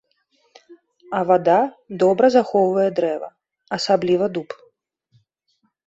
А вада добра захоўвае дрэва, асабліва дуб.